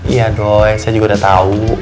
iya doi saya juga udah tau